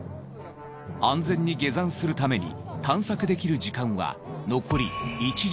安全に下山するために探索できる時間は。